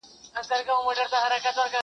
د دنیا له هر قدرت سره په جنګ یو -